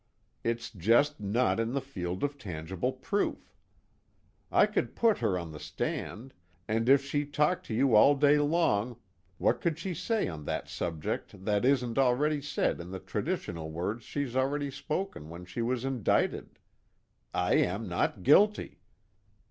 It's just not in the field of tangible proof. I could put her on the stand, and if she talked to you all day long, what could she say on that subject that isn't already said in the traditional words she's already spoken when she was indicted? 'I am not guilty.'